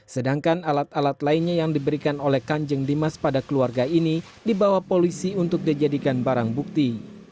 sedangkan alat alat lainnya yang diberikan oleh kanjeng dimas pada keluarga ini dibawa polisi untuk dijadikan barang bukti